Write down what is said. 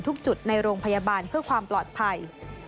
จุดในโรงพยาบาลเพื่อความปลอดภัย